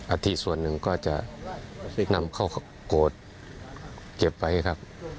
อัธิส่วนหนึ่งก็จะนำเข้ากดเก็บไปครับ